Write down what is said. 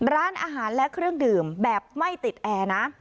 ร้านอาหารและเครื่องดื่มแบบไม่ติดแอร์นะ